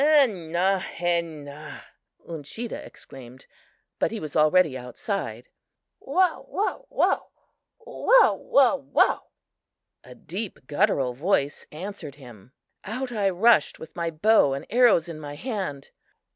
"En na he na!" Uncheedah exclaimed, but he was already outside. "Wow, wow, wow! Wow, Wow, wow!" A deep guttural voice answered him. Out I rushed with my bow and arrows in my hand.